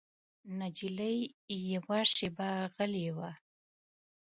نجلۍ یوه شېبه غلی وه.